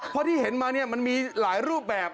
เพราะที่เห็นมาเนี่ยมันมีหลายรูปแบบ